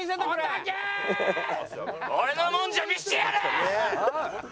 俺のもんじゃ見せてやる！